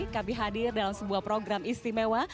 kami hadir dalam sebuah program istimewa